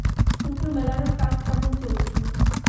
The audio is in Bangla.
সূত্র মেলানোর কাজ কেমন চলছে?